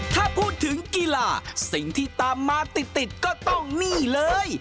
ถ้าพูดถึงกีฬาสิ่งที่ตามมาติดก็ต้องนี่เลย